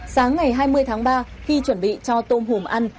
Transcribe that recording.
sáng ngày hai mươi tháng ba khi chuẩn bị cho tôm hùm ăn